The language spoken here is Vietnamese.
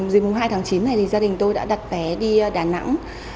dịp mùng hai tháng chín này thì gia đình tôi đã đặt vé đi đà nẵng